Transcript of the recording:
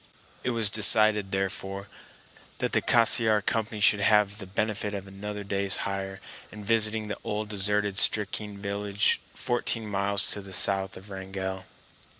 It was decided, therefore, that the Cassiar Company should have the benefit of another day's hire, in visiting the old deserted Stickeen village fourteen miles to the south of Wrangell.